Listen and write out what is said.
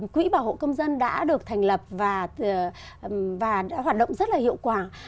quỹ bảo hộ công dân đã được thành lập và hoạt động rất là hiệu quả